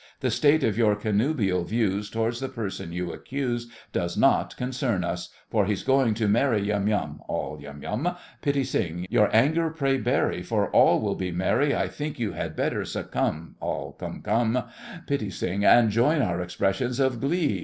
The state of your connubial views Towards the person you accuse Does not concern us! For he's going to marry Yum Yum— ALL. Yum Yum! PITTI. Your anger pray bury, For all will be merry, I think you had better succumb— ALL. Cumb—cumb! PITTI. And join our expressions of glee.